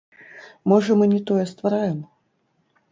Можа, мы не тое ствараем?